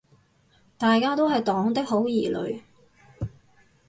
大家都是黨的好兒女